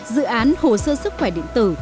dự án hồ sơ sức khỏe điện tử